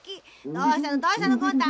どうしたのどうしたのゴン太。